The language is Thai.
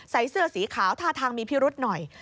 เสื้อสีขาวท่าทางมีพิรุษหน่อย